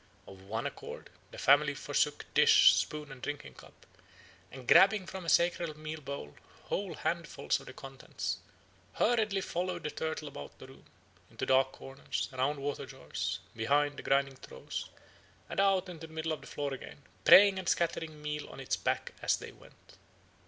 Of one accord, the family forsook dish, spoon, and drinking cup, and grabbing from a sacred meal bowl whole handfuls of the contents, hurriedly followed the turtle about the room, into dark corners, around water jars, behind the grinding troughs, and out into the middle of the floor again, praying and scattering meal on its back as they went.